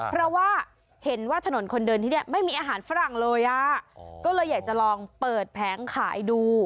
เพราะว่าเห็นว่าถนนคนเดินที่นี่ไม่มีอาหารฝรั่งเลยอ่ะก็เลยอยากจะลองเปิดแผงขายดู